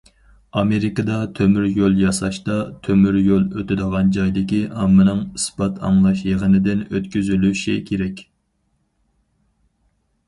ئامېرىكىدا تۆمۈريول ياساشتا، تۆمۈر يول ئۆتىدىغان جايدىكى ئاممىنىڭ ئىسپات ئاڭلاش يىغىنىدىن ئۆتكۈزۈلۈشى كېرەك.